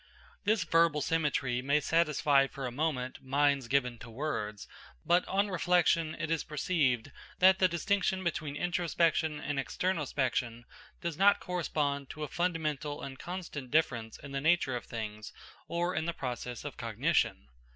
This verbal symmetry may satisfy for a moment minds given to words, but on reflection it is perceived that the distinction between introspection and externospection does not correspond to a fundamental and constant difference in the nature of things or in the processes of cognition.